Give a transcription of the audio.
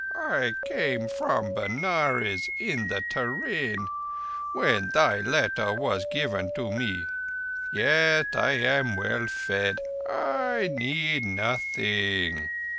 I came from Benares in the te rain, when thy letter was given me. Yes, I am well fed. I need nothing."